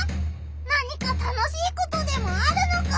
何か楽しいことでもあるのか？